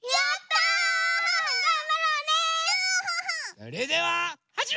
それでははじめ！